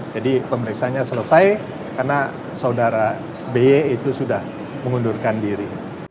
jadi pemeriksaannya selesai karena saudara by itu sudah mengundurkan diri